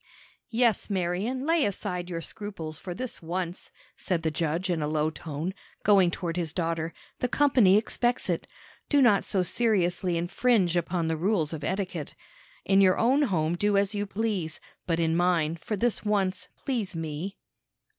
"Yes, Marian, lay aside your scruples for this once," said the judge in a low tone, going toward his daughter; "the company expects it. Do not so seriously infringe upon the rules of etiquette. In your own home do as you please; but in mine, for this once, please me."